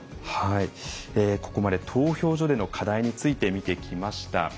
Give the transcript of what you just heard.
ここまで投票所での課題について見てきました。